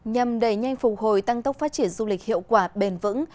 nhằm đẩy nhanh phục hồi tăng tốc phát triển du lịch hiệu quả bền vững